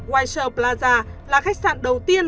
windsor plaza là khách sạn đầu tiên